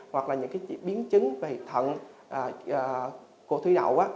hoặc là những biến chứng về thận của thủy đậu á